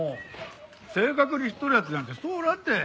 正確に知っとる奴なんてそうおらんって。